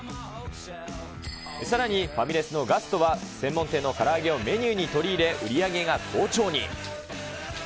さらにファミレスのガストは、専門店のから揚げをメニューに取り入れ、売り上げが好調に。